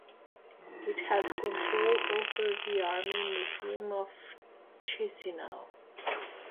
It has control over the Army Museum of Chisinau.